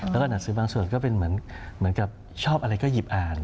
แล้วก็หนังสือบางส่วนก็เป็นเหมือนกับชอบอะไรก็หยิบอ่าน